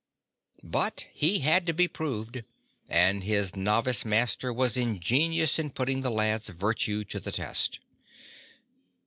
But he had to be proved, and his Novice Master was in genious in putting the lad's virtue to the test.